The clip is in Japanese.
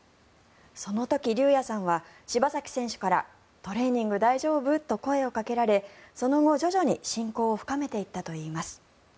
その時、龍弥さんは柴崎選手からトレーニング大丈夫？と声をかけられその後、徐々に親交を深めていったといいます。